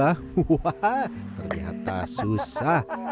waaah ternyata susah